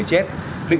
làm chết chín người